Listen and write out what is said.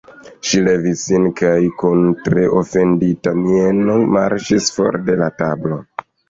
Ŝi levis sin kaj kun tre ofendita mieno marŝis for de la tablo.